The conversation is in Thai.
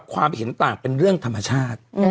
ความเห็นต่างเป็นเรื่องธรรมชาติ